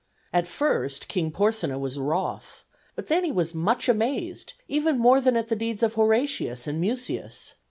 At first King Porsenna was wroth; but then he was much amazed, even more than at the deeds of Horatius and Mucius.